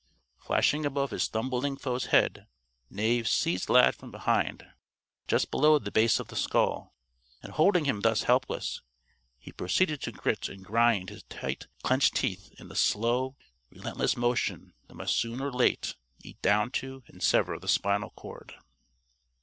Flashing above his stumbling foe's head, Knave seized Lad from behind, just below the base of the skull. And holding him thus helpless, he proceeded to grit and grind his tight clenched teeth in the slow, relentless motion that must soon or late eat down to and sever the spinal cord.